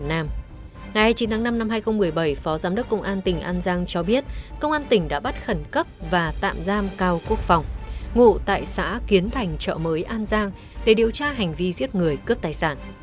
ngày chín tháng năm năm hai nghìn một mươi bảy phó giám đốc công an tỉnh an giang cho biết công an tỉnh đã bắt khẩn cấp và tạm giam cao quốc phòng ngụ tại xã kiến thành chợ mới an giang để điều tra hành vi giết người cướp tài sản